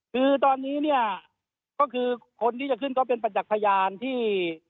คือตอนนี้เนี่ยก็คือคนที่จะขึ้นก็เป็นประจักษ์พยานที่